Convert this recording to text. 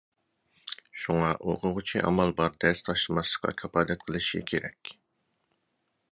شۇڭا ئوقۇغۇچى ئامال بار دەرس تاشلىماسلىققا كاپالەت قىلىشى كېرەك.